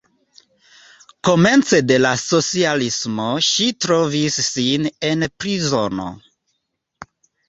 Komence de la socialismo ŝi trovis sin en prizono.